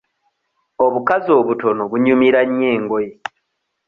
Obukazi obutono bunyumira nnyo engoye.